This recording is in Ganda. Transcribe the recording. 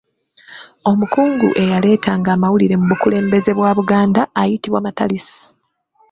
Omukungu eyaleetanga amawulire mu bukulembeze bwa Buganda ayitibwa Matalisi.